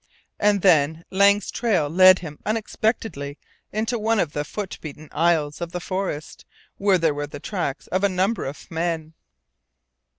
And then Lang's trail led him unexpectedly into one of the foot beaten aisles of the forest where there were the tracks of a number of men.